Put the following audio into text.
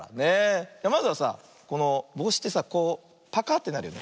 まずはさあこのぼうしってさこうパカッてなるよね。